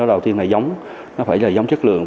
đầu tiên là giống nó phải là giống chất lượng